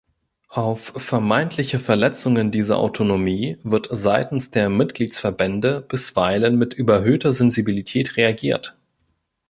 Auf vermeintliche Verletzungen dieser Autonomie wird seitens der Mitgliedsverbände bisweilen mit überhöhter Sensibilität reagiert.